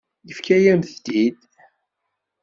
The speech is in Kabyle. Yefka-yam-tent-id.